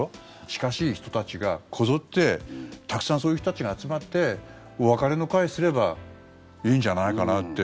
近しい人たちがこぞってたくさんそういう人たちが集まってお別れの会すればいいんじゃないかなって。